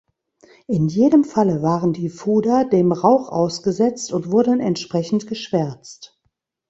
In jedem Falle waren die Fuder dem Rauch ausgesetzt und wurden entsprechend geschwärzt.